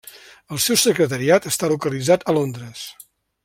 El seu secretariat està localitzat a Londres.